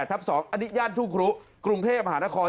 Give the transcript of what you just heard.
๒อันนี้ย่านทุ่งครุกรุงเทพมหานคร